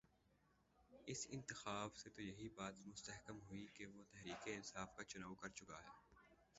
اس انتخاب سے تو یہی بات مستحکم ہوئی کہ وہ تحریک انصاف کا چناؤ کر چکا ہے۔